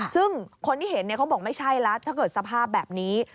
ซึ่งคนที่เห็นเขาบอกไม่ใช่แล้วถ้าเกิดสภาพแบบนี้